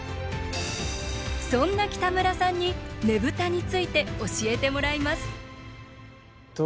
そんな北村さんにねぶたについて教えてもらいます。